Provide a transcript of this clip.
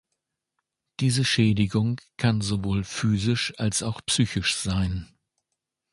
Diese Schädigung kann sowohl physisch als auch psychisch sein.